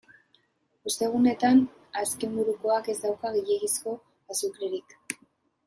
Ostegunetan azkenburukoak ez dauka gehiegizko azukrerik.